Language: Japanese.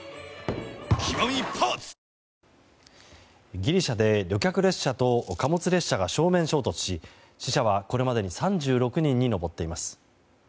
ギリシャで旅客列車と貨物列車が正面衝突し死者はこれまでに３６人に上っています。